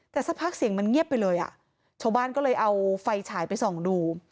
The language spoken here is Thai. แต่สักพักเสียงมันเงียบไปเลยอ่ะชาวบ้านก็เลยเอาไฟฉายไปส่องดู